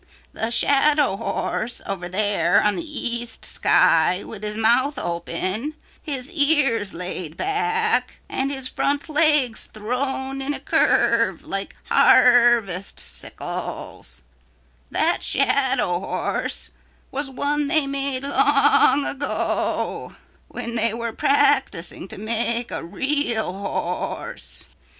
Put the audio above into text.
"The shadow horse over there on the east sky with his mouth open, his ears laid back, and his front legs thrown in a curve like harvest sickles, that shadow horse was one they made long ago when they were practising to make a real horse.